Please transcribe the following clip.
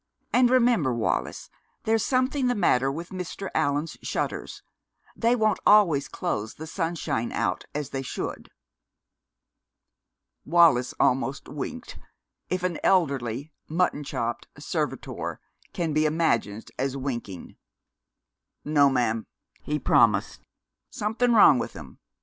"And remember, Wallis, there's something the matter with Mr. Allan's shutters. They won't always close the sunshine out as they should." Wallis almost winked, if an elderly, mutton chopped servitor can be imagined as winking. "No, ma'am," he promised. "Something wrong with 'em.